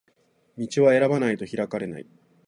道は選ばないと開かれない